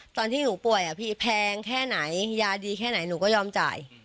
ตอนที่หนูป่วยพี่แพงแค่ไหนยาดีแค่ไหนหนูก็ยอมจ่าย